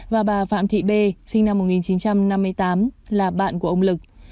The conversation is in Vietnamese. và bà phạm thị b sinh năm một nghìn chín trăm năm mươi tám là bạn của ông lực